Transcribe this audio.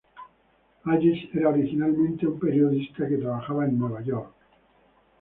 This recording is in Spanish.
Hayes era originalmente un periodista que trabajaba en Nueva York.